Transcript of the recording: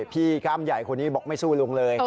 พี่ทางข้ามใหญ่อันนี้บอกไม่สู้ลุงเลย